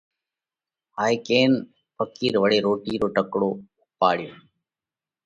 هائي ڪينَ ڦقِير وۯي روٽِي رو ٽڪرو اُوپاڙيو